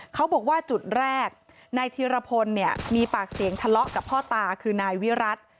เขาบอกว่าจุดแรกนายธีรพลเนี่ยมีปากเสียงทะเลาะกับพ่อตาคือนายวิรัติ